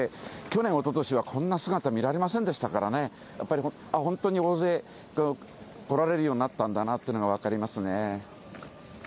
去年、おととしは、こんな姿見られませんでしたからね、やっぱり本当に大勢来られるようになったんだなというのが分かりますね。